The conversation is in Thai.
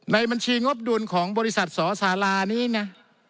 ในบัญชีงบดุลของบริษัทสอสารานี้นะ